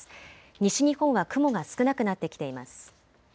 西日本は雲が少なくなってきています。